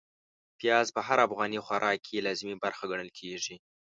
پياز په هر افغاني خوراک کې لازمي برخه ګڼل کېږي.